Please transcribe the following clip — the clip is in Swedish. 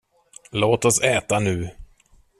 Låt oss äta nu!